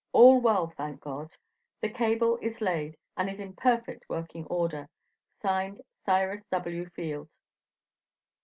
All well, thank God. The Cable is laid, and is in perfect working order. "Signed, CYRUS W. FIELD."